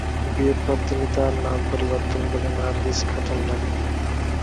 বিয়ের পরে তিনি তার নাম পরিবর্তন করে নার্গিস খাতুন রাখেন।